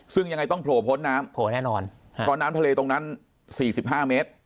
ซึ่งยังไงต้องโผล่พ้นน้ำโผล่แน่นอนเพราะน้ำทะเลตรงนั้นสี่สิบห้าเมตร